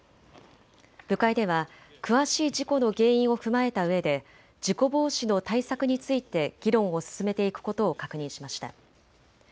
部会では詳しい事故の原因を踏まえたうえで事故防止の対策について議論を進めていくことを確認しました。